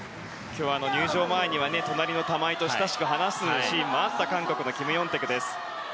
入場前には隣の玉井と親しく話すシーンもあった韓国のキム・ヨンテクです。